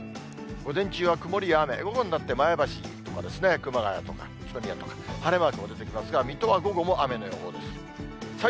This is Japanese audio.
午前中は曇りや雨、午後になって前橋、熊谷とか、宇都宮とか、晴れマーク出てきますが、水戸は午後も雨の予報です。